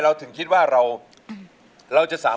อายุ๒๔ปีวันนี้บุ๋มนะคะ